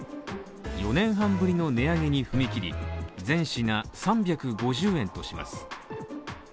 ４年半ぶりの値上げに踏み切り全品３５０円とします。